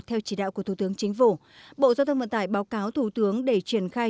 theo chỉ đạo của thủ tướng chính phủ bộ giao thông vận tải báo cáo thủ tướng để triển khai